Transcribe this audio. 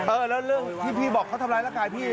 เออแล้วเรื่องที่พี่บอกเขาทำร้ายร่างกายพี่